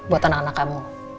buat anak anak kamu